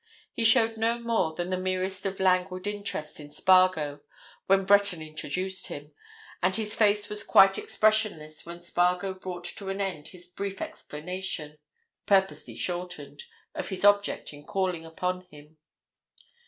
He showed no more than the merest of languid interests in Spargo when Breton introduced him, and his face was quite expressionless when Spargo brought to an end his brief explanation —purposely shortened—of his object in calling upon him.